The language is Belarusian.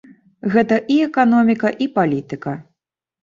Гэта і эканоміка, і палітыка.